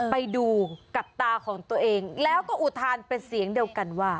ไปดูกับตาของตัวเองแล้วก็อุทานเป็นเสียงเดียวกันว่า